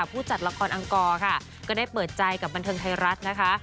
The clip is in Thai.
ผู้จัดละครอังกรค่ะก็ได้เปิดใจกับบันเทิงไทยรัฐนะคะ